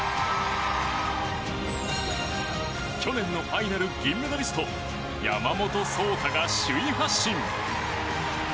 去年のファイナル銀メダリスト山本草太が首位発進。